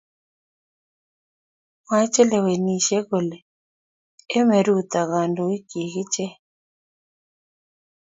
Mwoe chelewenishei kole emei Ruto kondoichi ichek